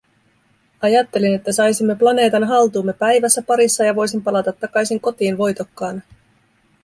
Ajattelin, että saisimme planeetan haltuumme päivässä parissa ja voisin palata takaisin kotiin voitokkaana.